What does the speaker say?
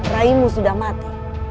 rai mu sudah mati